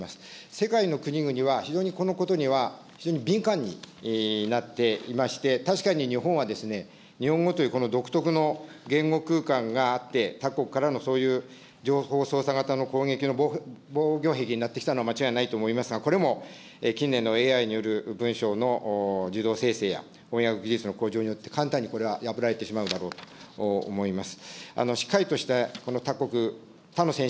世界の国々は非常にこのことには、非常に敏感になっていまして、確かに日本は、日本語というこの独特の言語空間があって、他国からのそういう情報操作型の防御壁になってきたのは間違いないと思いますが、これも近年のＡＩによる文章の自動せいせいや、翻訳技術の革新によって、簡単にこれは破られてしまうだろうと思います。